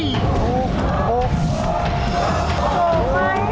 ถูก